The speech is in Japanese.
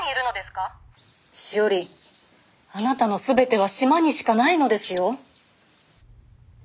しおりあなたの全ては島にしかないのですよ。